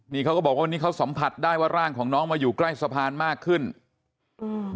นี่เขาก็บอกว่าวันนี้เขาสัมผัสได้ว่าร่างของน้องมาอยู่ใกล้สะพานมากขึ้นอืม